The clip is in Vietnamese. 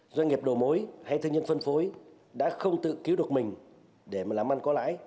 doanh nghiệp đồ mối hay thương nhân phân phối đã không tự cứu được mình để mà làm ăn có lãi